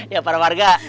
ya para warga